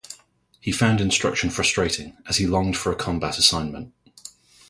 He found instruction frustrating, as he longed for a combat assignment.